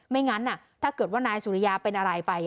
งั้นถ้าเกิดว่านายสุริยาเป็นอะไรไป